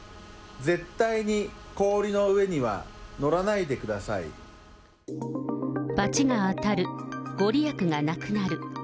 絶対に氷の上には乗らないでくだ罰が当たる、御利益がなくなる。